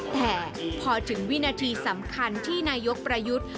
แต่พอถึงวินาทีสำคัญที่นายกประยุทธ์